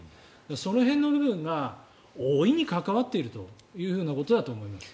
その辺の部分が大いに関わっているということだと思います。